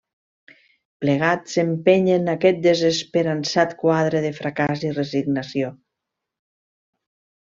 Plegats empenyen aquest desesperançat quadre de fracàs i resignació.